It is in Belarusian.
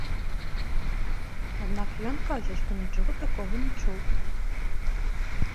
Аднак ён кажа, што нічога такога не чуў.